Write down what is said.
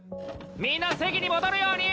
みんな席に戻るように！